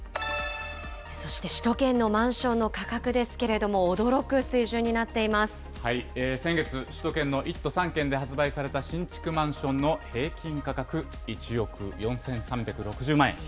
そして首都圏のマンションの価格ですけれども、驚く水準にな先月、首都圏の１都３県で発売された新築マンションの平均価格、１億４３６０万円。